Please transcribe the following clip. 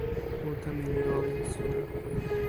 uta mi li olin e sina.